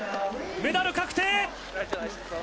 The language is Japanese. メダル確定！